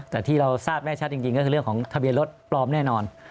แต่ที่เราทราบแน่ชัดจริงก็คือเรื่องของทะเบียนรถปลอมแน่นอน